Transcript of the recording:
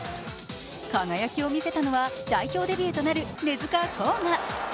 輝きをみせたのは、代表デビューとなる根塚洸雅。